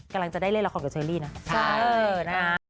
กำลังจะได้เล่นละครกับเชอรี่นะใช่นะคะ